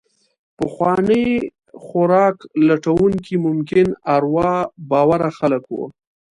پخواني خوراک لټونکي ممکن اروا باوره خلک وو.